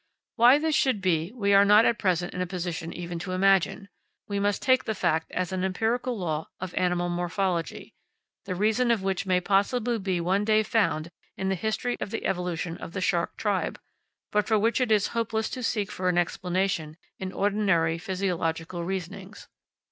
Why this should be we are not at present in a position even to imagine; we must take the fact as an empirical law of animal morphology, the reason of which may possibly be one day found in the history of the evolution of the shark tribe, but for which it is hopeless to seek for an explanation in ordinary physiological reasonings.